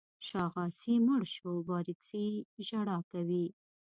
شاغاسي مړ شو بارکزي ژړا کوي.